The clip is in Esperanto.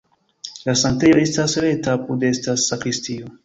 La sanktejo estas rekta, apude estas sakristio.